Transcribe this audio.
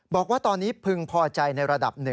บอกว่าตอนนี้พึงพอใจในระดับ๑